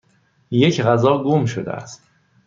یک غذا گم شده است.